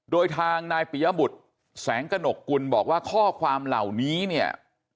โดยทางนายปิยบุตรแสงกระหนกกุลบอกว่าข้อความเหล่านี้เนี่ย